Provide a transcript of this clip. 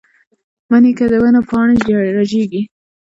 مني کې د ونو پاڼې رژېږي